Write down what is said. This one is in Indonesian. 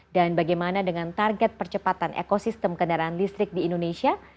dan bagaimana dengan target percepatan ekosistem kendaraan listrik di indonesia